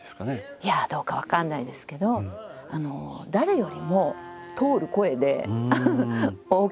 いやあどうか分かんないですけど誰よりも通る声で大きな声で。